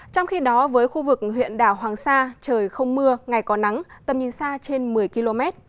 trong khi đó với khu vực huyện đảo hoàng sa trời không mưa ngày có nắng tầm nhìn xa trên một mươi km